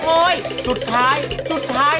สุดท้ายสุดท้าย